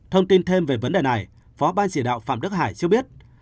thông tin thêm về vấn đề này phó ban chỉ đạo phạm đức hải cho biết